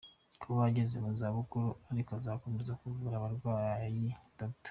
Kuba ageze mu zabukuru, ariko agakomeza kuvura abarwayi, Dr.